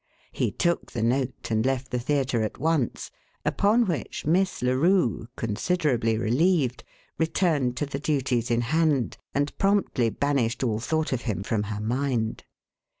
He took the note and left the theatre at once, upon which Miss Larue, considerably relieved, returned to the duties in hand, and promptly banished all thought of him from her mind.